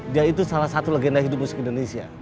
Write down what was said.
dia itu salah satu legenda hidup musik indonesia